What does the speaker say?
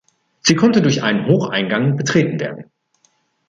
Sie konnte durch einen Hocheingang betreten werden.